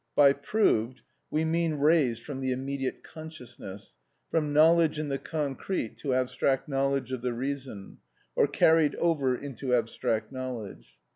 By "proved" we mean raised from the immediate consciousness, from knowledge in the concrete to abstract knowledge of the reason, or carried over into abstract knowledge.